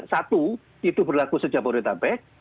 satu itu berlaku sejak pemerintah pek